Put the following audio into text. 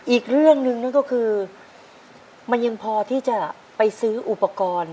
อีกเรื่องหนึ่งนั่นก็คือมันยังพอที่จะไปซื้ออุปกรณ์